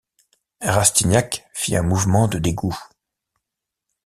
Rastignac fit un mouvement de dégoût.